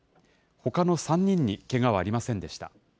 ほかの３人にけがはありませんでした。